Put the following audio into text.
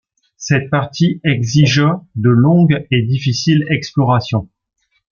Cette partie exigea de longues et difficiles explorations